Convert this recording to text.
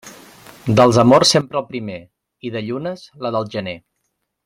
Dels amors sempre el primer, i de llunes, la del gener.